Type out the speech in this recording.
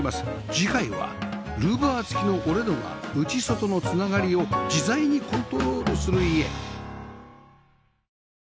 次回はルーバー付きの折戸が内外のつながりを自在にコントロールする家